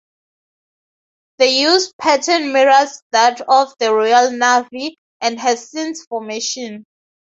The use pattern mirrors that of the Royal Navy, and has since formation.